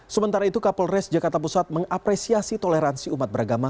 sementara itu kapolres jakarta pusat mengapresiasi toleransi umat beragama